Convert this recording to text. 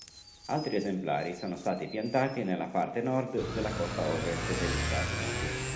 Altri esemplari sono stati piantati nella parte nord della costa ovest degli Stati Uniti.